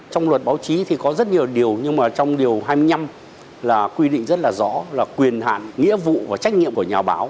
trong luật báo chí thì có rất nhiều điều nhưng mà trong điều hai mươi năm là quy định rất là rõ là quyền hạn nghĩa vụ và trách nhiệm của nhà báo